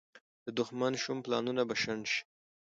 د دښمن شوم پلانونه به شنډ شي.